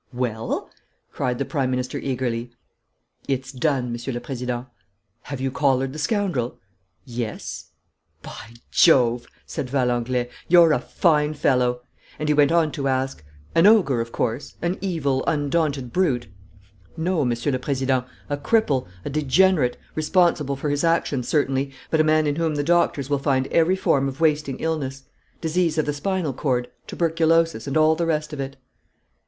"Well?" cried the Prime Minister eagerly. "It's done, Monsieur le Président." "Have you collared the scoundrel?" "Yes." "By Jove!" said Valenglay. "You're a fine fellow!" And he went on to ask, "An ogre, of course? An evil, undaunted brute? " "No, Monsieur le Président, a cripple, a degenerate, responsible for his actions, certainly, but a man in whom the doctors will find every form of wasting illness: disease of the spinal cord, tuberculosis, and all the rest of it."